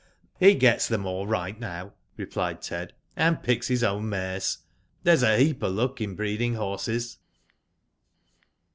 *' He gets them all right now/' replied Ted, and picks his own mares. There's a heap of luck in breeding horses.